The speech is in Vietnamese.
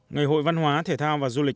ngày hội văn hóa thể thao và du lịch